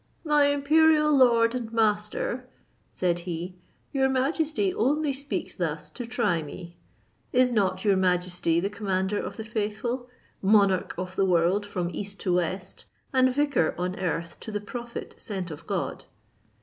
"My imperial lord and master," said he, "your majesty only speaks thus to try me. Is not your majesty the commander of the faithful, monarch of the world from east to west, and vicar on earth to the prophet sent of God?